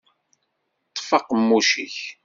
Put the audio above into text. Ṭṭef aqemmuc-ik!